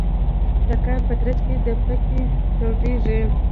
د کار په ترڅ کې د پکې تودیږي.